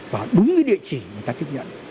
vào đúng cái địa chỉ người ta tiếp nhận